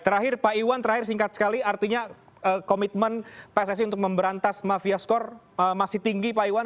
terakhir pak iwan terakhir singkat sekali artinya komitmen pssi untuk memberantas mafia skor masih tinggi pak iwan